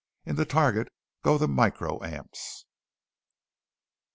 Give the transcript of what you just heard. in the target go the microamps!